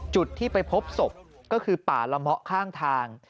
จุดที่ไปพบศพก็คือป่าละเมาะข้างทาง